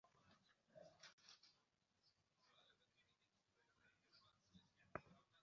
আমরা থিয়েটারের সামনে পানি দেব।